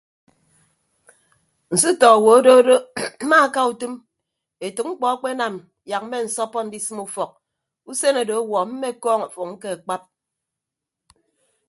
Nsutọ owo adodo mmaaka utom etәk mkpọ akpe anam yak mmensọppọ ndisịm ufọk usen odo ọwuọ mmekọọñ ọfọñ ke akpap.